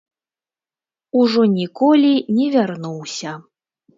Ужо ніколі не вярнуўся.